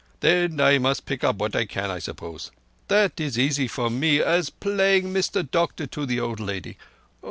And then I must pick up what I can, I suppose. That is as easy for me as playing Mister Doctor to the old lady.